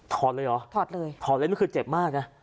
ถอดเลยหรอถอดเล็บนี่คือเจ็บมากนะ